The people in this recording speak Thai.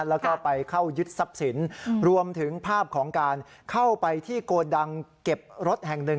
แล้วก็ไปเข้ายึดทรัพย์สินรวมถึงภาพของการเข้าไปที่โกดังเก็บรถแห่งหนึ่ง